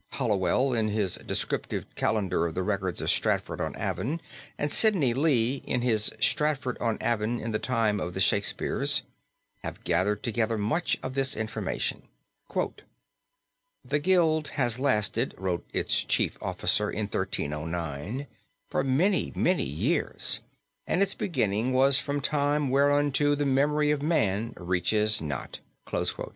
Halliwell, in his Descriptive Calendar of the Records of Stratford on Avon, and Sidney Lee, in his Stratford on Avon in the Time of the Shakespeares, have gathered together much of this information: "The Guild has lasted, wrote its chief officer in 1309, for many, many years and its beginning was from time whereunto the memory of man reaches not."